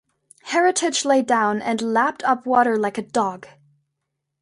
Heritage lay down and lapped up water like a dog.